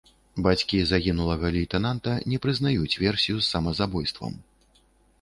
Бацькі загінулага лейтэнанта не прызнаюць версію з самазабойствам.